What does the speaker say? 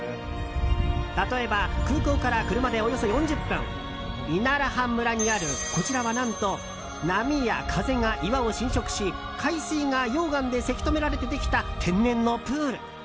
例えば空港から車でおよそ４０分イナラハン村にあるこちらは何と波や風が岩を侵食し海水が溶岩でせき止められてできた天然のプール。